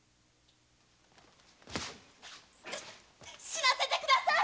死なせて下さい！